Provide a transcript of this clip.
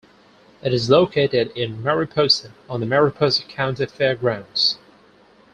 It is located in Mariposa on the Mariposa County fairgrounds.